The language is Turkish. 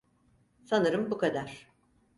Sanırım bu kadar.